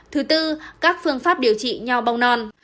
thứ tư các phương pháp điều trị nho bông non